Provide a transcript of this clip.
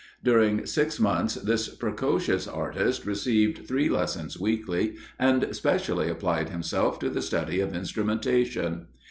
During six months this precocious artist received three lessons weekly, and specially applied himself to the study of instrumentation.